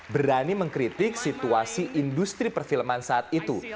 berani mengkritik situasi industri perfilman saat itu